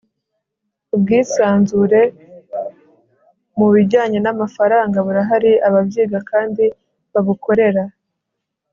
ubwisanzure mu bijyanye n'amafaranga burahari ababyiga kandi babukorera